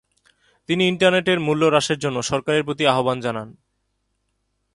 তিনি ইন্টারনেটের মূল্য হ্রাসের জন্য সরকারের প্রতি আহ্বান জানান।